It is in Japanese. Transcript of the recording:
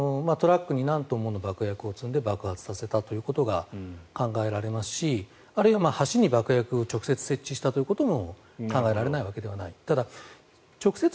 ですから、トラックに何トンもの爆薬を積んで爆発させたことが考えられますしあるいは橋に爆薬を直接設置したということも考えられないわけではない。